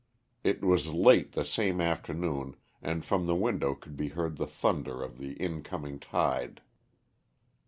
It was late the same afternoon and from the window could be heard the thunder of the incoming tide.